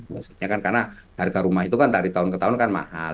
maksudnya kan karena harga rumah itu kan dari tahun ke tahun kan mahal